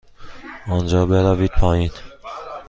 آنجا بروید پایین.